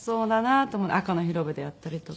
赤の広場でやったりとか。